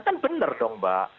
kan benar dong mbak